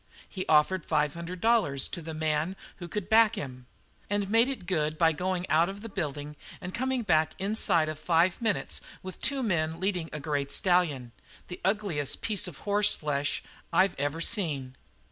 He offered five hundred dollars to the man who could back him; and made it good by going out of the building and coming back inside of five minutes with two men leading a great stallion, the ugliest piece of horseflesh I've ever seen.